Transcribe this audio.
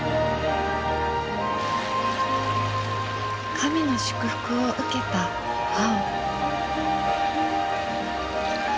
神の祝福を受けた碧。